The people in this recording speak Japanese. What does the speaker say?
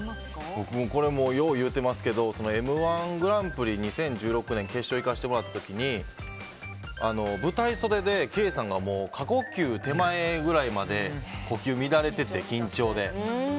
僕はこれよう言うてますけど「Ｍ‐１グランプリ」２０１４年決勝に行かせてもらった時に舞台袖でケイさんが過呼吸手前くらいまで呼吸が乱れてて、緊張で。